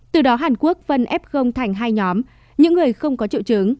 từ đó hàn quốc phân f thành hai nhóm những người không có triệu chứng